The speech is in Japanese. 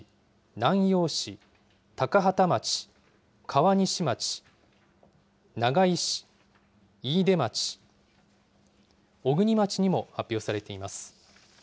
南陽市高畠町、川西町長井市、飯豊町小国町にも発表されています。